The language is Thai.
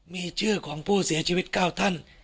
มีชื่อของผู้เสียชีวิต๙ท่าน